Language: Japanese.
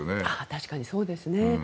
確かにそうですね。